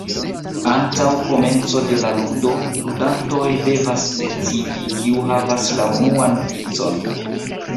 Antaŭ komenco de la ludo, ludantoj devas decidi, kiu havas la unuan vicon.